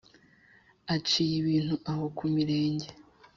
Aciye ibintu aho ku mirenge